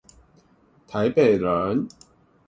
台北人